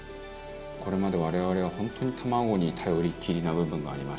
これまで我々は本当に卵に頼りっきりな部分がありましたよね。